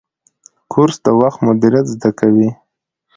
کورس د وخت مدیریت زده کوي.